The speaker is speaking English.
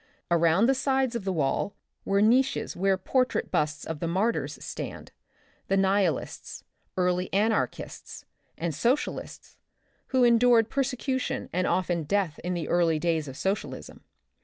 Around the sides of the wall, were niches where portrait busts of the martyrs stand — the nihilists, early anarchists, and socialists who endured persecu tion and often death in the early days of socialism.